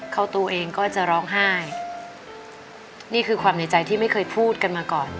เขาตัวเองก็จะร้องไห้นี่คือความในใจที่ไม่เคยพูดกันมาก่อน